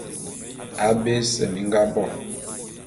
Abé ese mi nga bo.